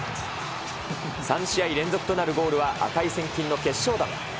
３試合連続となるゴールは、値千金の決勝弾。